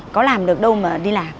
có làm được đâu mà đi làm